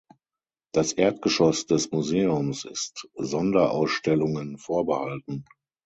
Das Erdgeschoss des Museums ist Sonderausstellungen vorbehalten.